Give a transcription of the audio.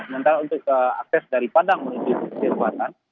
sementara untuk akses dari padang menuju ke selatan